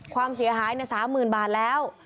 ความเสียหาย๓๐๐๐บาทแล้ว